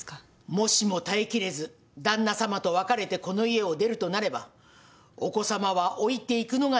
もしも耐えきれず旦那さまと別れてこの家を出るとなればお子さまは置いていくのが習わし。